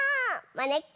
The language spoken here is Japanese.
まねっこ。